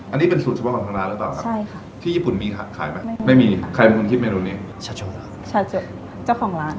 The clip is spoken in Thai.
อันนี้เป็นสูตรเฉพาะของทางร้านหรือเปล่า